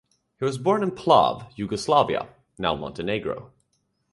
He was born in Plav, Yugoslavia, now Montenegro.